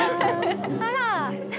あら？